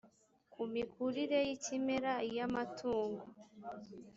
ku mikurire y ikimera iy amatungo